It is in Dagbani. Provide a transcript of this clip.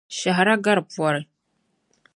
Shɛhira gari pɔri.